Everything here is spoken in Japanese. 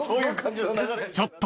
［ちょっと！